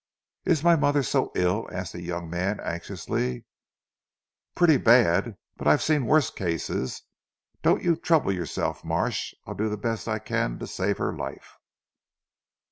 "Is my mother so ill?" asked the young man anxiously. "Pretty bad, but I have seen worse cases. Don't you trouble yourself Marsh. I'll do the best I can to save her life."